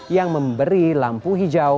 yang memberi lampu hijau